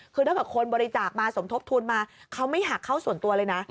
คือถ้าเกิดคนบริจาคมาสมทบทุนมาเขาไม่หักเข้าส่วนตัวเลยนะ